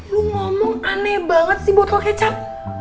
ngomong aneh banget sih botol kecap